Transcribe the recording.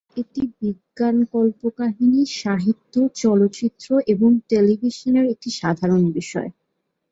এটি বিজ্ঞান কল্পকাহিনী সাহিত্য, চলচ্চিত্র, এবং টেলিভিশনের একটি সাধারণ বিষয়।